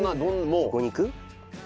ここに行く？